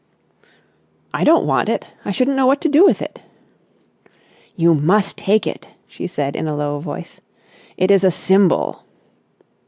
"I don't want it. I shouldn't know what to do with it." "You must take it," she said in a low voice. "It is a symbol."